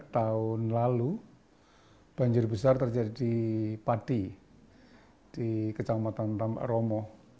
tahun lalu banjir besar terjadi di pati di kecamatan rama romo